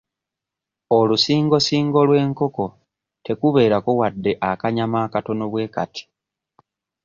Olusingosingo lw'enkoko tekubeerako wadde akanyama akatono bwe kati.